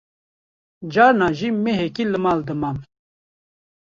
carna jî mehekî li mal dimam